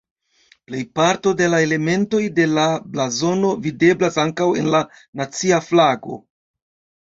Plejparto de la elementoj de la blazono videblas ankaŭ en la nacia flago.